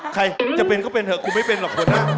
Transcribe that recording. ใครจะเป็นก็เป็นเถอะคุณไม่เป็นหรอกหัวหน้า